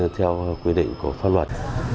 theo quyết định của pháp luật